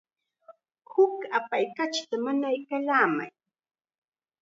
Huk aptay kachita mañaykallamay.